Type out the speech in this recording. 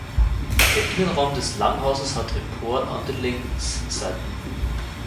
Der Innenraum des Langhauses hat Emporen an den Längsseiten.